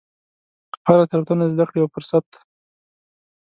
هره تېروتنه د زده کړې یو فرصت دی.